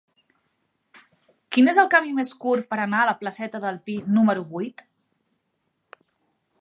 Quin és el camí més curt per anar a la placeta del Pi número vuit?